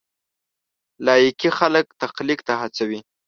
لایکي خلک تخلیق ته هڅوي.